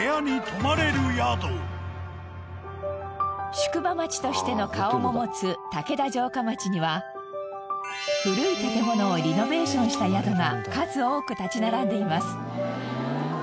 宿場町としての顔も持つ竹田城下町には古い建物をリノベーションした宿が数多く立ち並んでいます。